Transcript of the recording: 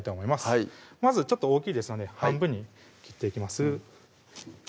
はいまず大きいですので半分に切っていきます